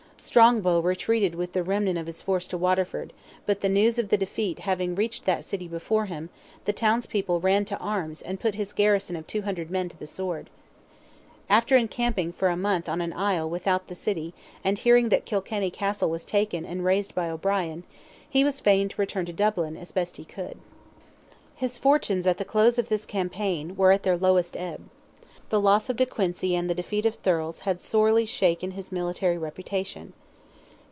Strongbow retreated with the remnant of his force to Waterford, but the news of the defeat having reached that city before him, the townspeople ran to arms and put his garrison of two hundred men to the sword. After encamping for a month on an island without the city, and hearing that Kilkenny Castle was taken and razed by O'Brien, he was feign to return to Dublin as best he could. His fortunes at the close of this campaign, were at their lowest ebb. The loss of de Quincy and the defeat of Thurles had sorely shaken his military reputation.